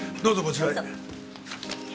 どうぞ。